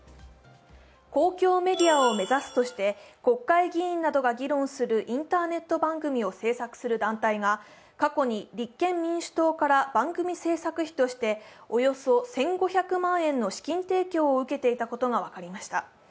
公共メディアを目指すとして国会議員などが議論するインターネット番組を制作する団体が過去に立憲民主党から番組制作費としておよそ１５００万円の資金提供を受けていたことが分かりました。